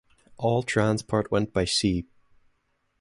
All transport went by sea.